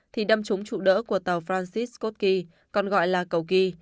thì đâm trúng trụ đỡ của tàu francis scott key còn gọi là cầu key